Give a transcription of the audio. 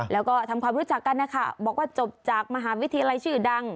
แล้วก็ทำความรู้จักกันนะคะบอกว่าจบจากมหาวิทยาลัยชื่อดัง